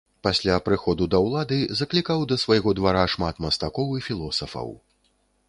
Пасля прыходу да ўлады заклікаў да свайго двара шмат мастакоў і філосафаў.